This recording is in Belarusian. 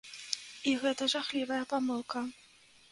І гэта жахлівая памылка.